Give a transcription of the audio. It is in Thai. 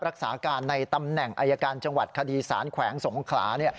รักษาการในตำแหน่งอายการจังหวัดคดีสารแขวงสงขลาเนี่ย